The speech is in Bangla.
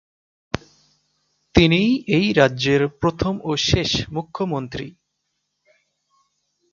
তিনিই এই রাজ্যের প্রথম ও শেষ মুখ্যমন্ত্রী।